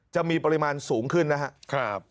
จะมีปริมาณสูงขึ้นนะครับ